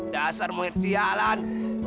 dasar muir sialan